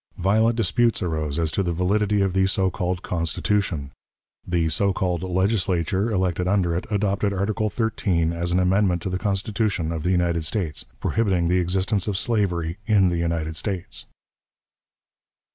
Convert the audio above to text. Violent disputes arose as to the validity of the so called Constitution. The so called Legislature elected under it adopted Article XIII as an amendment to the Constitution of the United States, prohibiting the existence of slavery in the United States.